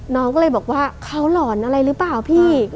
น้องก็เลยบอกว่าเขาหลอนอะไรหรือเปล่าพี่